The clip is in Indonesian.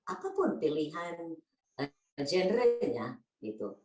apapun pilihan genre nya gitu